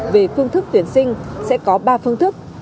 về phương thức tuyển sinh sẽ có ba phương thức